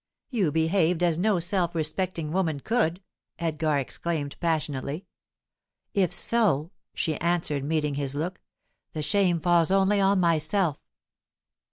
"You behaved as no self respecting woman could!" Elgar exclaimed passionately. "If so," she answered, meeting his look, "the shame falls only on myself."